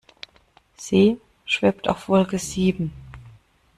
Sie schwebt auf Wolke sieben.